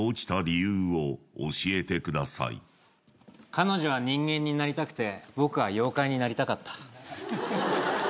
彼女は人間になりたくて僕は妖怪になりたかった。